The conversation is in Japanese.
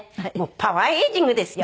パワーエイジングですよ。